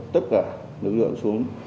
tất cả lực lượng xuống